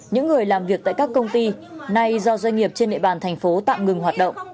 những người làm việc tại các công ty nay do doanh nghiệp trên địa bàn thành phố tạm ngừng hoạt động